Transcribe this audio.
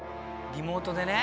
「リモートでね」